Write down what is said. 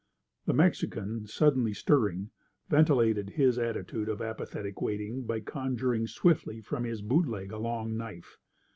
The Mexican, suddenly stirring, ventilated his attitude of apathetic waiting by conjuring swiftly from his bootleg a long knife.